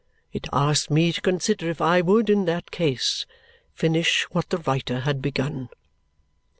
It asked me to consider if I would, in that case, finish what the writer had begun."